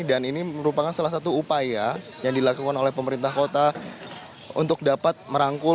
dan ini merupakan salah satu upaya yang dilakukan oleh pemerintah kota untuk dapat merangkul